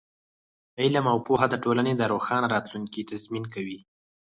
علم او پوهه د ټولنې د روښانه راتلونکي تضمین کوي.